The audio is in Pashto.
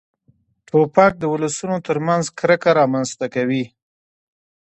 توپک د ولسونو تر منځ کرکه رامنځته کوي.